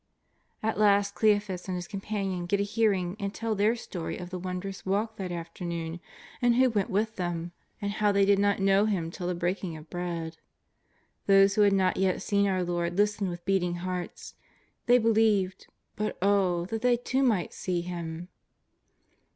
At last Cleophas and his companion get a hearing and tell their story of the wondrous walk that after noon, and Who went with them, and how they did not know Ilim till the breaking of bread. Those who had not yet seen our Lord listened with beating hearts ; they believed, but oh, that they too might see Him!